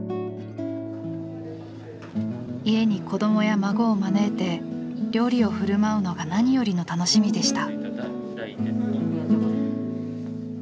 家に子どもや孫を招いて料理をふるまうのが何よりの楽しみでした。